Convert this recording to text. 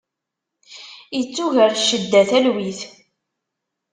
Ittuger ccedda talwit.